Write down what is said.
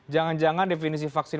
jangan jangan definisi vaksin